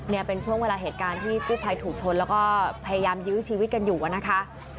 เนี่ยเป็นช่วงเวลาเหตุการณ์ที่กู้ภัยถูกชนแล้วก็พยายามยื้อชีวิตกันอยู่นะคะ